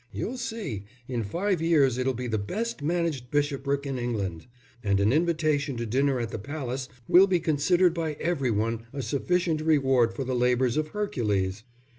You'll see, in five years it'll be the best managed bishopric in England, and an invitation to dinner at the Palace will be considered by every one a sufficient reward for the labours of Hercules."